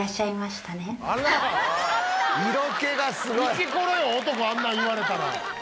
イチコロよ男あんなん言われたら。